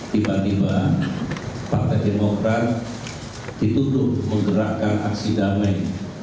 tiba tiba partai demokrat ditutup mengerakkan aksi damai empat sebelas